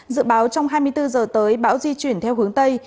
dự báo trong hai mươi bốn giờ tới bão di chuyển theo hướng tây